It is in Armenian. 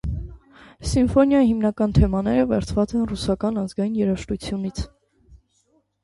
Սիմֆոնիայի հիմնական թեմաները վերցված են ռուսական ազգային երաժշտությունից։